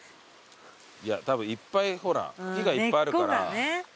たぶんいっぱいほら茎がいっぱいあるから。